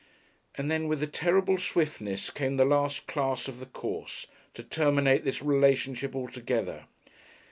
And then with a terrible swiftness came the last class of the course, to terminate this relationship altogether.